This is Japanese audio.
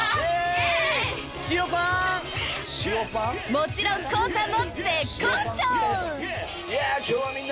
［もちろんＫＯＯさんも絶好調！］